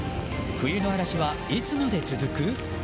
冬の嵐はいつまで続く？